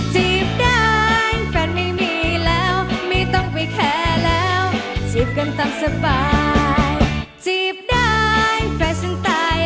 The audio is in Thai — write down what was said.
จีบได้แฟนส์ไม่จะมีแล้วไม่ต้องไปแคล์แล้วจีบกันต้องสบาย